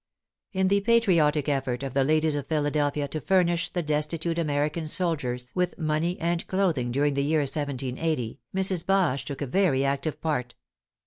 In the patriotic effort of the ladies of Philadelphia to furnish the destitute American soldiers with money and clothing during the year 1780, Mrs. Bache took a very active part.